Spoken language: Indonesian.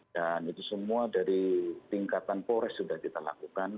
dan itu semua dari tingkatan kores sudah kita lakukan